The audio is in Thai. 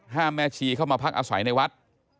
แม่ชีเข้ามาพักอาศัยในวัด